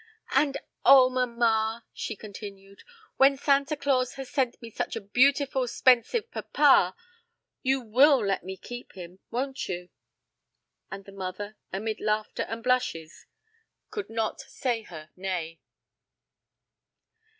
"And, oh mamma," she continued, "when Santa Claus has sent me such a beautiful, 'spensive papa, you will let me keep him, won't you?" And the mother, amid laughter and blushes, could not say her nay.